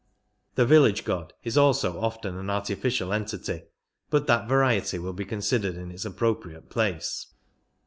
(The village god is also often an artificial entity, but that variety will be considered in its appropriate place.)